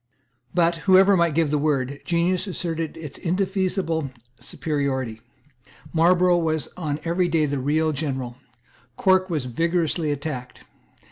But, whoever might give the word, genius asserted its indefeasible superiority. Marlborough was on every day the real general. Cork was vigorously attacked.